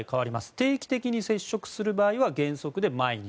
定期的に接触する場合は原則で毎日。